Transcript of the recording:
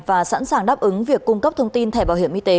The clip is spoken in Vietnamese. và sẵn sàng đáp ứng việc cung cấp thông tin thẻ bảo hiểm y tế